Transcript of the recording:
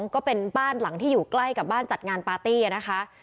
ก็เป็นบ้านหลังที่อยู่ใกล้กับบ้านจัดงานปาร์ตี้นะคะ